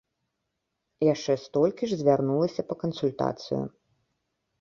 Яшчэ столькі ж звярнулася па кансультацыю.